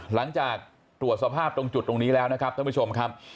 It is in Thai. หลังจากตรวจสภาพตรงจุดตรงนี้แล้วนะครับท่านผู้ชมครับ